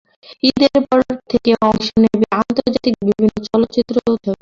ঈদের পর থেকে অংশ নেবে আন্তর্জাতিক বিভিন্ন চলচ্চিত্র উৎসবে।